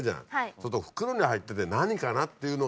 そうすると袋に入ってて何かなっていうのが。